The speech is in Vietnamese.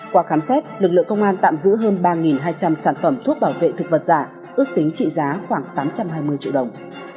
qua khám xét lực lượng công an tạm giữ hơn ba hai trăm linh sản phẩm thuốc bảo vệ thực vật giả ước tính trị giá khoảng tám trăm hai mươi triệu đồng